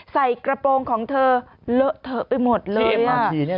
ใส่กระโปรงของเธอเลอะเทอะไปหมดเลยค่ะ